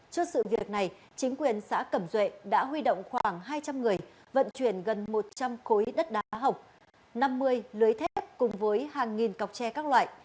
trước sự việc này chính quyền xã cẩm duệ đã huy động khoảng hai trăm linh người vận chuyển gần một trăm linh khối đất đá học năm mươi lưới thép cùng với hàng nghìn cọc tre các loại